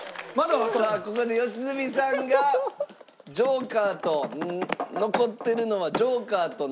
さあここで良純さんがジョーカーと残ってるのはジョーカーと７！